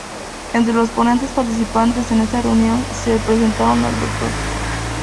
Entre los ponentes participantes en esa reunión se presentaron el Dr.